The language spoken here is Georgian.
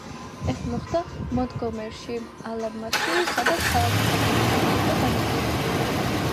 ეს მოხდა მონტგომერში, ალაბამაში, სადაც ქალაქის ავტობუსები იყო განაწილებული.